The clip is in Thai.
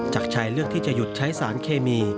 จากชายเลือกที่จะหยุดใช้สารเคมี